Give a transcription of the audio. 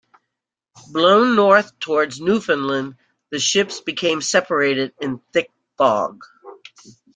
Blown north towards Newfoundland, the ships became separated in thick fog.